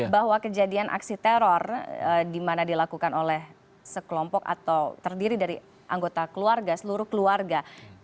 bahwa kejadian aksi teror di mana dilakukan oleh sekelompok atau terdiri dari anggota keluarga seluruh keluarga